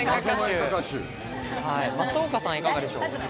松岡さん、いかがでしょう？